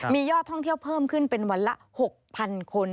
มียอดท่องเที่ยวเพิ่มขึ้นเป็นวันละ๖๐๐๐คน